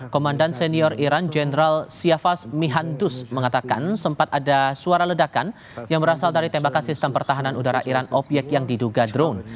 komandan senior iran jenderal siafaz mihandus mengatakan sempat ada suara ledakan yang berasal dari tembakan sistem pertahanan udara iran obyek yang diduga drone